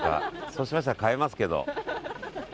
そうしましたら、変えますけど。